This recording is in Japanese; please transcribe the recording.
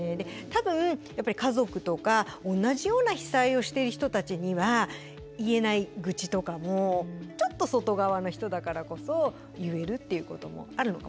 多分やっぱり家族とか同じような被災をしている人たちには言えない愚痴とかもちょっと外側の人だからこそ言えるっていうこともあるのかもしれないです。